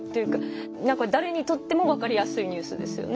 何か誰にとっても分かりやすいニュースですよね。